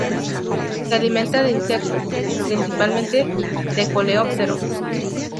Se alimenta de insectos, principalmente de coleópteros.